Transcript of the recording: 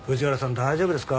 大丈夫ですか？